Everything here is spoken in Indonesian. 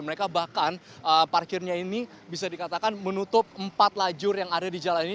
mereka bahkan parkirnya ini bisa dikatakan menutup empat lajur yang ada di jalan ini